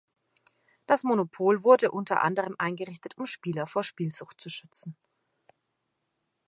Das Monopol wurde unter anderem eingerichtet, um Spieler vor Spielsucht zu schützen.